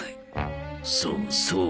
そうそう。